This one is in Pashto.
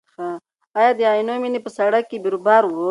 ایا د عینومېنې په سړک کې بیروبار و؟